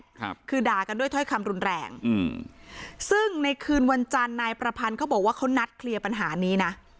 ครับคือด่ากันด้วยถ้อยคำรุนแรงอืมซึ่งในคืนวันจันทร์นายประพันธ์เขาบอกว่าเขานัดเคลียร์ปัญหานี้นะ